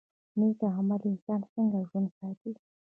نیک عمل انسان څنګه ژوندی ساتي؟